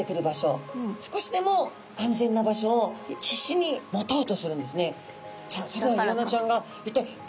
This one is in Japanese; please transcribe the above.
少しでも安全な場所を必死に持とうとするんですね。